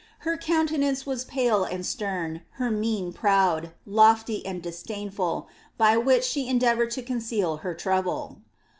Her countenance was pale and stem, her mien proud, loAy, and disdainful, by which she en* deavoured to conceal her trouble."